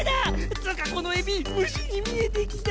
っつうかこのエビ虫に見えてきた。